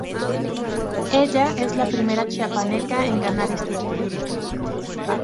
Ella es la primer Chiapaneca en ganar este título.